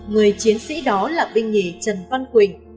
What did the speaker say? người chiến sĩ đó là binh nhì trần văn quỳnh